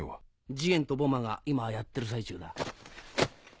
次元とボマーが今やってる最中だ。